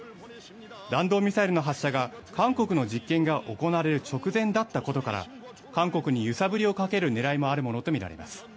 弾道ミサイルの発射が韓国の実験が行われる直前だったことから韓国に揺さぶりをかける狙いもあるものとみられます。